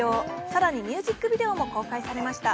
更にミュージックビデオも公開されました。